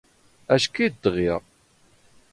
ⴰⵛⴽⵉ ⴷ ⴷⵖⵢⴰ.